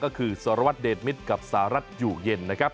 ก็คือสารวัตรเดชมิตรกับสหรัฐอยู่เย็นนะครับ